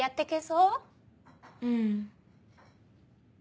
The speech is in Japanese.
うん。